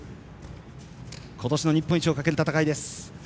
今年の日本一をかける戦いです。